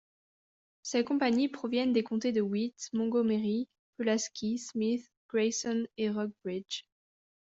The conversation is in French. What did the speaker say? Ses compagnies proviennent des comtés de Wythe, Montgomery, Pulaski, Smyth, Grayson, et Rockbridge.